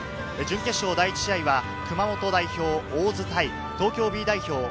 準決勝第１試合は熊本代表・大津対東京Ｂ代表